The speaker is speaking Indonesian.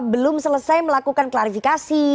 belum selesai melakukan klarifikasi